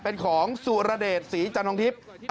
เป็นของสุรเดชศรีจันทองทิพย์